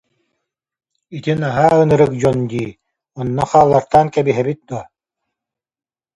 Ити наһаа ынырык дьон дии, онно хааллартаан кэбиһэбит дуо